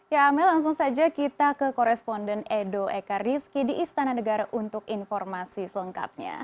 ya amel langsung saja kita ke koresponden edo ekariski di istana negara untuk informasi selengkapnya